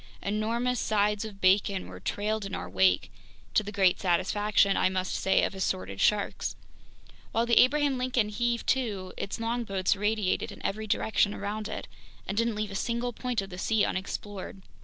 Enormous sides of bacon were trailed in our wake, to the great satisfaction, I must say, of assorted sharks. While the Abraham Lincoln heaved to, its longboats radiated in every direction around it and didn't leave a single point of the sea unexplored.